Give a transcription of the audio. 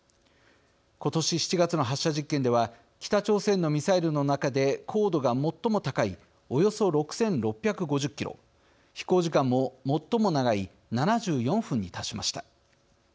今年７月の発射実験では北朝鮮のミサイルの中で高度が最も高いおよそ６６５０キロ飛行時間も最も長い７４分に達しました。